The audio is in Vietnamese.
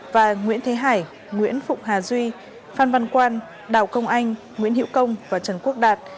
và nguyễn thế hải nguyễn phụng hà duy phan văn quan đào công anh nguyễn hiệu công và trần quốc đạt